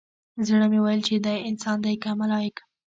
زړه مې ويل چې دى انسان دى که ملايک.